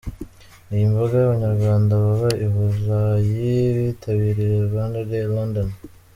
Iyi mbaga y'Abanyarwanda baba i Burayi bitabiriye Rwanda Day London.